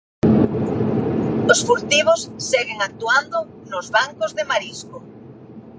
Os furtivos seguen actuando nos bancos de marisco.